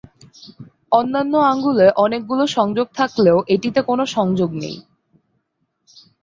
অন্যান্য আঙ্গুলে অনেকগুলো সংযোগ থাকলেও এটিতে কোন সংযোগ নেই।